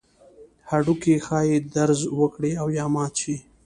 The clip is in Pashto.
هډوکي ښایي درز وکړي او یا مات شي.